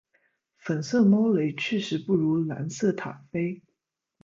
粉色猫雷确实不如蓝色塔菲